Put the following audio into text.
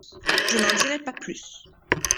Je n'en dirai pas plus.